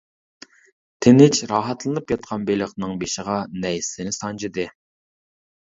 تىنچ، راھەتلىنىپ ياتقان بېلىقنىڭ بېشىغا نەيزىسىنى. سانجىدى.